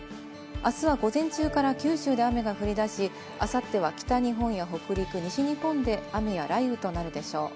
明日は午前中から九州で雨が降り出し、明後日は北日本や北陸、西日本で雨や雷雨となるでしょう。